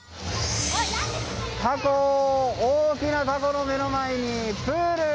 大きなタコの目の前にプール！